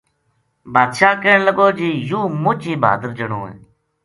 بادشاہ کہن لگو جی یوہ مچ ہی بہادر جنو ہے